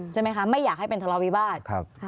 ใช่ไหมคะไม่อยากให้เป็นทะเลาวิวาส